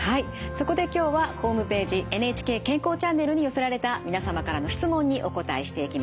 そこで今日はホームページ「ＮＨＫ健康チャンネル」に寄せられた皆様からの質問にお答えしていきます。